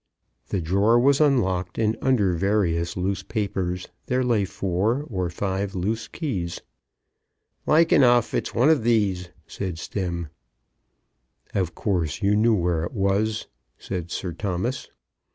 The drawer was unlocked, and under various loose papers there lay four or five loose keys. "Like enough it's one of these," said Stemm. "Of course you knew where it was," said Sir Thomas.